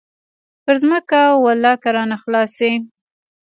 پر ځمکه ولله که رانه خلاص سي.